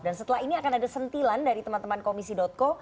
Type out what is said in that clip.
dan setelah ini akan ada sentilan dari teman teman komisi co